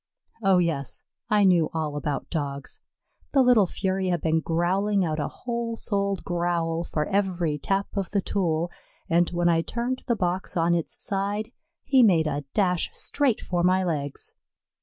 Oh, yes, I knew all about Dogs. The little fury had been growling out a whole souled growl for every tap of the tool, and when I turned the box on its side, he made a dash straight for my legs.